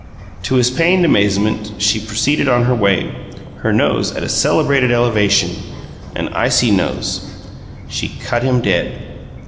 To his pained amazement, she proceeded on her way, her nose at a celebrated elevation an icy nose. She cut him dead.